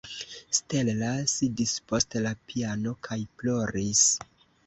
Stella sidis post la piano kaj ploris.